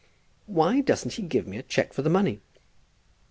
"Why doesn't he give me a cheque for the money?"